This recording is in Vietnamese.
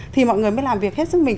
thì mọi người mới làm việc hết sức mình